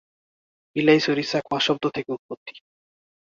বিলাইছড়ি চাকমা শব্দ থেকে উৎপত্তি।